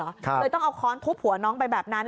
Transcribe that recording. เลยต้องเอาค้อนทุบหัวน้องไปแบบนั้น